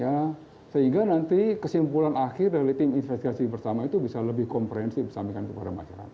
ya sehingga nanti kesimpulan akhir dari tim investigasi bersama itu bisa lebih komprehensif disampaikan kepada masyarakat